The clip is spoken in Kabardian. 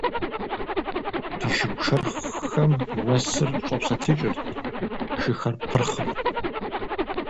Ди шыгу шэрхъхэм уэсыр щӀэпсэлъыкӀырт, шыхэр пырхъырт.